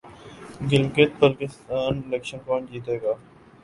Gilgit Baltistan election کون جیتےگا